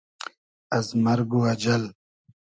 از مئرگ و اجئل